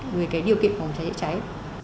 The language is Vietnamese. về cái điều kiện của cháy cháy cháy